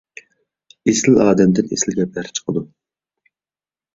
ئېسىل ئادەمدىن ئېسىل گەپلەر چىقىدۇ.